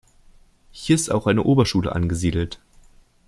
Hier ist auch eine Oberschule angesiedelt.